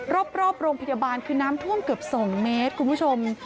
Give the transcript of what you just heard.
รอบโรงพยาบาลคือน้ำท่วมเกือบ๒เมตรคุณผู้ชม